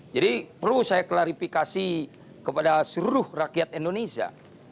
jadi perlu saya klarifikasi kepada seluruh rakyat indonesia